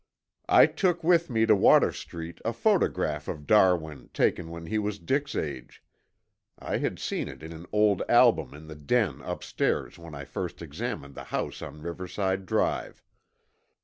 "I took with me to Water Street a photograph of Darwin taken when he was Dick's age (I had seen it in an old album in the den upstairs when I first examined the house on Riverside Drive).